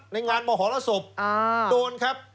ในงานมหรสบโดนครับ